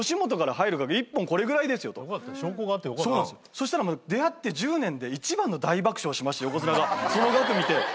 そしたら出会って１０年で一番の大爆笑をしまして横綱がその額見て。